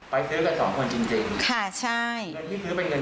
ไปซื้อกัน๒คนจริง